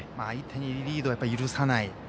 相手にリードを許さない。